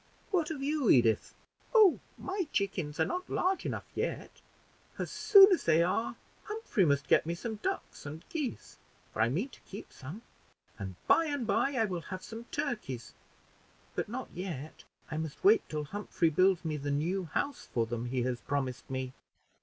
"What have you, Edith?" "Oh, my chickens are not large enough yet; as soon as they are Humphrey must get me some ducks and geese; for I mean to keep some; and by and by I will have some turkeys, but not yet. I must wait till Humphrey builds me the new house for them he has promised me."